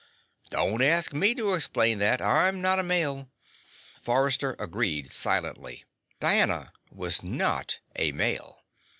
Don't ask me to explain that I'm not a male." Forrester agreed silently. Diana was not a male.